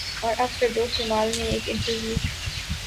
اور اب فردوس جمال نے ایک انٹرویو